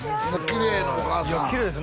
きれいなお母さんいや